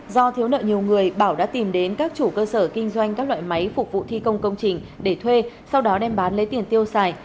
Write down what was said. do thiếu nợ nhiều người bảo đã tìm đến các chủ cơ sở kinh doanh các loại máy phục vụ thi công công trình để thuê sau đó đem bán lấy tiền tiêu xài